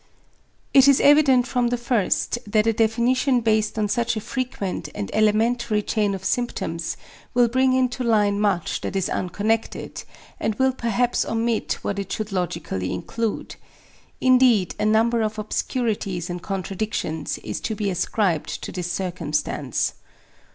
It is evident from the first that a definition based on such a frequent and elementary chain of symptoms will bring into line much that is unconnected, and will perhaps omit what it should logically include. Indeed a number of obscurities and contradictions is to be ascribed to this circumstance.